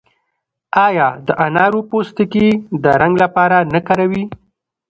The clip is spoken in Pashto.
آیا د انارو پوستکي د رنګ لپاره نه کاروي؟